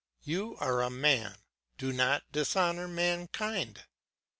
You are a man; do not dishonour mankind.